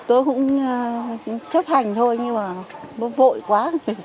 tôi cũng chấp hành thôi nhưng mà vội quá